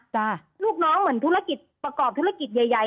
ลูกน้องเหมือนธุรกิจประกอบธุรกิจใหญ่